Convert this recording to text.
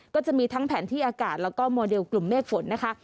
ก็จะมีทั้งแผนที่อากาศแล้วก็โมเดลกลุ่มเมฆฝนนะคะ